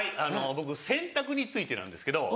僕洗濯についてなんですけど。